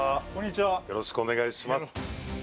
よろしくお願いします。